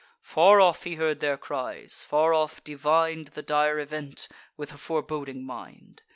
Far off he heard their cries, far off divin'd The dire event, with a foreboding mind.